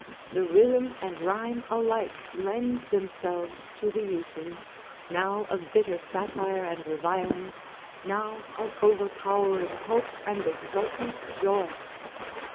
The rhythm and rhyme alike lend themselves to the uses, now of bitter satire and revilings, now of overpowering hope and exultant joy.